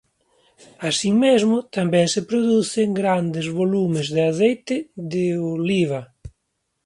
Así mesmo tamén se producen grandes volumes de aceite de oliva.